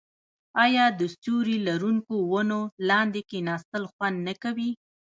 آیا د سیوري لرونکو ونو لاندې کیناستل خوند نه کوي؟